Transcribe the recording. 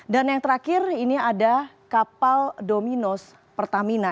dan yang terakhir ini ada kapal dominos pertamina